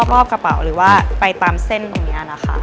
รอบกระเป๋าหรือว่าไปตามเส้นตรงนี้นะคะ